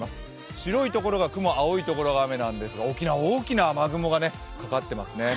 白い所が雲、青い所が雨なんですが沖縄は大きな雨雲がかかっていますね。